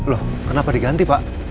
loh kenapa diganti pak